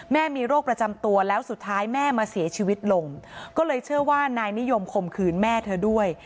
แม่มีโรคประจำตัวแล้วสุดท้ายแม่มาเสียชีวิตลงก็เลยเชื่อว่านายนิยมคมคืนแม่เธอด้วย